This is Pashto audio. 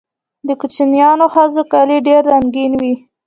د کوچیانیو ښځو کالي ډیر رنګین وي.